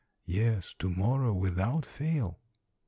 " Yes, to morrow without fail."